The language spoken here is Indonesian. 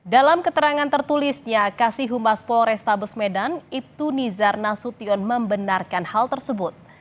dalam keterangan tertulisnya kasih humas polres tabus medan ibtunizar nasution membenarkan hal tersebut